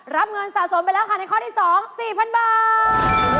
รับเงินสะสมไปแล้วค่ะในข้อที่๒๔๐๐๐บาท